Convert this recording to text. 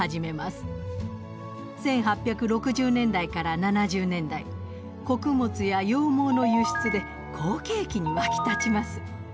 １８６０年代から７０年代穀物や羊毛の輸出で好景気に沸き立ちます。